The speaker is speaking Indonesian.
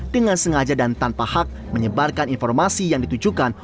dengan sengaja dan tanpa hak menyebarkan informasi yang ditujukan